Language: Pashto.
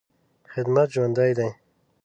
خدمت ژوند دی.